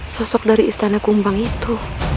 sosok dari istana kumbang itu